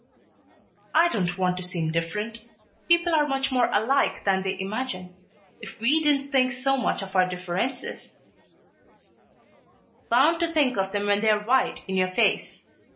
"I don't want to seem different. People are much more alike than they imagine. If we didn't think so much of our differences " "Bound to think of them when they're right in your face.